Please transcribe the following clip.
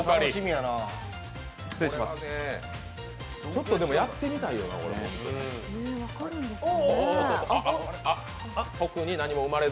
ちょっとやってみたいよな、これ。